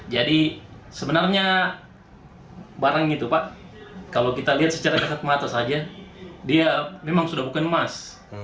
sebenarnya barang itu pak kalau kita lihat secara dekat mata saja dia memang sudah bukan emas